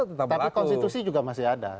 tapi konstitusi juga masih ada